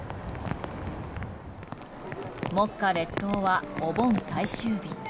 目下列島は、お盆最終日。